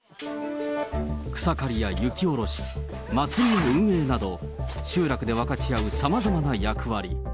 草刈りや雪下ろし、祭りの運営など、集落で分かち合うさまざまな役割。